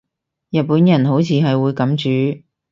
日本人好似係會噉煮